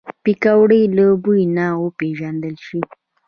پکورې له بوی نه وپیژندل شي